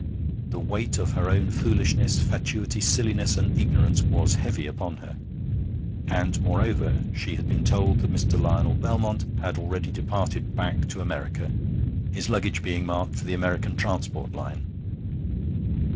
The weight of her own foolishness, fatuity, silliness, and ignorance was heavy upon her. And, moreover, she had been told that Mr. Lionel Belmont had already departed back to America, his luggage being marked for the American Transport Line.